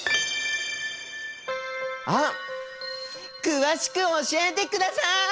あっ詳しく教えてください！